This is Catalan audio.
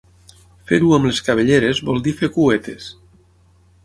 Fer-ho amb les cabelleres vol dir fer cuetes.